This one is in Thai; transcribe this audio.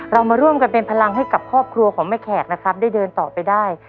เรามาร่วมกันเป็นพลังให้กับครอบครัวของแม่แขกนะครับได้เดินต่อไปได้